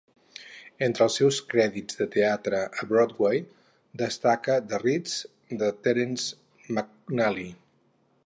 Entre els seus crèdits de teatre a Broadway destaca "The Ritz" de Terrence McNally.